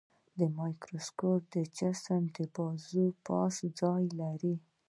د مایکروسکوپ جسم د بازو د پاسه ځای لري.